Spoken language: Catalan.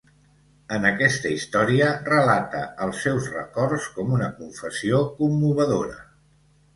En aquesta història relata els seus records com una confessió commovedora.